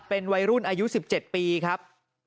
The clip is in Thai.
เป็นวัยรุ่นอายุ๑๗ปีครับ